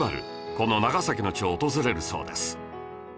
この長崎の地を訪れるそうです